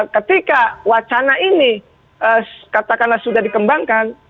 ketika wacana ini katakanlah sudah dikembangkan